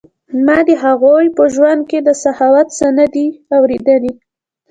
ما د هغوی په ژوند کې د سخاوت څه نه دي اوریدلي.